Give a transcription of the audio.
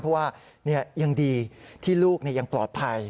เพราะว่ายังดีที่ลูกยังปลอดภัย